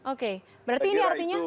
oke berarti ini artinya